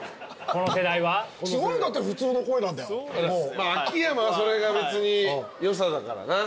まあ秋山はそれが別に良さだからな。